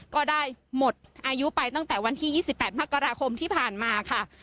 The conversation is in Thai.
ก็ได้หมดอายุไปตั้งแต่วันที่๒๘มกราคมที่ผ่านมาค่ะ